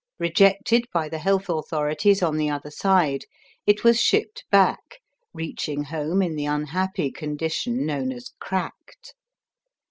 Rejected by the health authorities on the other side, it was shipped back, reaching home in the unhappy condition known as "cracked."